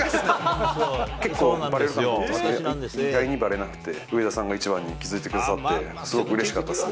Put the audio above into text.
結構ばれると思ったけど、意外にばれなくて、上田さんが一番に気付いてくださって、すごくうれしかったです。